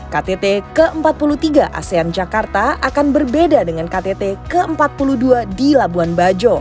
ktt ke empat puluh tiga asean jakarta akan berbeda dengan ktt ke empat puluh dua di labuan bajo